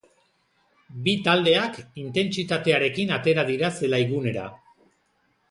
Bi taldeak intentsitatearekin atera dira zelaigunera.